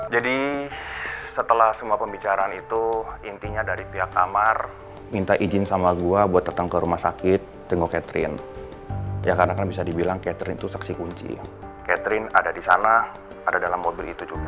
jadi setelah semua pembicaraan itu intinya dari pihak amar minta izin sama gue buat datang ke rumah sakit tengok catherine ya karena kan bisa dibilang catherine itu saksi kunci catherine ada disana ada dalam mobil itu juga